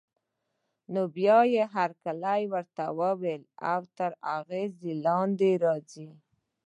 بيا نو هرکلی ورته وايي او تر اغېز لاندې يې راځي.